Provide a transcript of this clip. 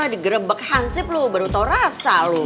degerebek hansip lu baru tau rasa lu